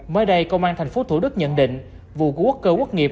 mới đây công an thành phố thủ đức nhận định vụ của quốc cơ quốc nghiệp